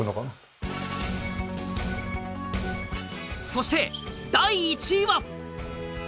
そして第１位は。